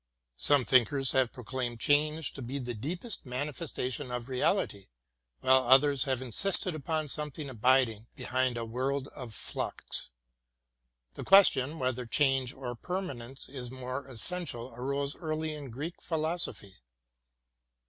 Some thinkers have proclaimed change to be the deep est manifestation of reality, while others have insisted upon something abiding behind a world of flux. The question whether change or permanence is more essential arose early in Greek philosophy.